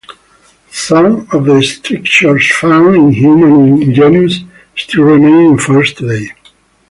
Some of the strictures found in "Humanum genus" still remain in force today.